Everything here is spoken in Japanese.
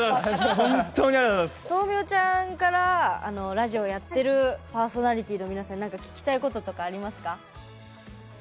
豆苗ちゃんからラジオやってるパーソナリティーの皆さんに聞きたいこととかありますか？